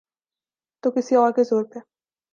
تو کسی اور کے زور پہ۔